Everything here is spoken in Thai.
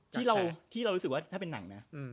ที่เรารู้สึกว่าถ้าเป็นหนังนะ